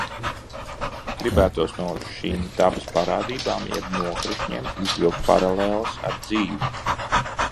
Gribētos no šīm dabas parādībām jeb nokrišņiem izvilkt paralēles ar dzīvi.